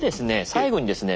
最後にですね